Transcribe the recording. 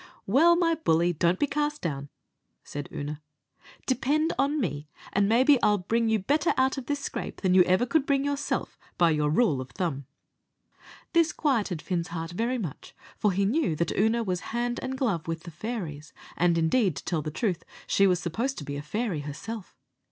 "Well, my bully, don't be cast down," said Oonagh; "depend on me, and maybe I'll bring you better out of this scrape than ever you could bring yourself, by your rule o' thumb." This quieted Fin's heart very much, for he knew that Oonagh was hand and glove with the fairies; and, indeed, to tell the truth, she was supposed to be a fairy herself.